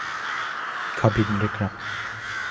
ขอบิลด้วยครับ